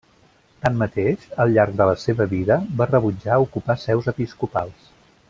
Tanmateix, al llarg de la seva vida va rebutjar ocupar seus episcopals.